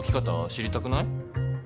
知りたくない？えっ？